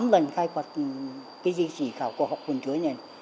tám lần khai quật cái di chỉ khảo cổ học khuẩn chứa này